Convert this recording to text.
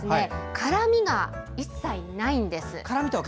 辛みが一切ないんです。